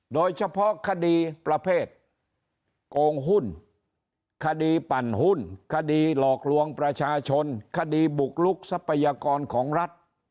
โดยเฉพาะคดีประเภทโกงหุ้นคดีปั่นหุ้นคดีหลอกลวงประชาชนคดีบุกลุกทรัพยากรของรัฐ